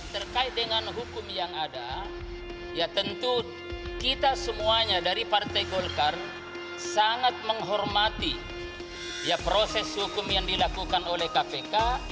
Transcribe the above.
terkait dengan hukum yang ada ya tentu kita semuanya dari partai golkar sangat menghormati proses hukum yang dilakukan oleh kpk